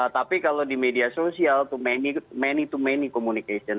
tapi kalau di media sosial to many to many communication